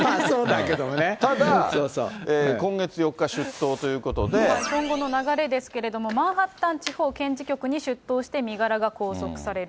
ただ、今月４日出頭というこ今後の流れですけれども、マンハッタン地方検事局に出頭して、身柄が拘束される。